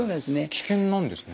危険なんですね。